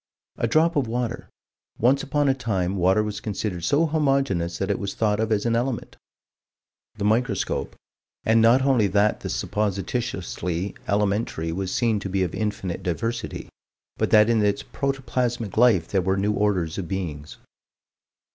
A drop of water. Once upon a time water was considered so homogeneous that it was thought of as an element. The microscope and not only that the supposititiously elementary was seen to be of infinite diversity, but that in its protoplasmic life there were new orders of beings.